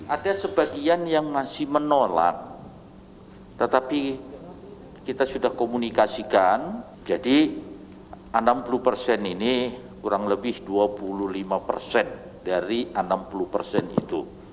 ada sebagian yang masih menolak tetapi kita sudah komunikasikan jadi enam puluh persen ini kurang lebih dua puluh lima persen dari enam puluh persen itu